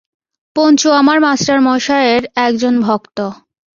পঞ্চু আমার মাস্টারমশায়ের একজন ভক্ত।